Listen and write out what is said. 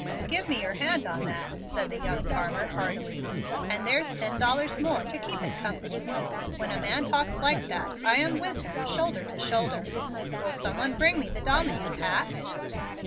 "Give me your hand on that," said the young farmer, heartily; "and there's ten dollars more to keep it company. When a man talks like that, I am with him, shoulder to shoulder. Will some one bring me the dominie's hat?"